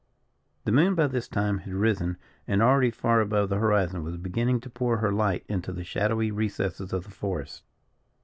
The moon by this time had risen, and already far above the horizon was beginning to pour her light into the shadowy recesses of the forest.